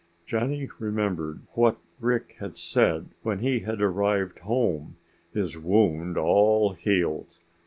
Johnny remembered what Rick had said when he had arrived home, his wound all healed.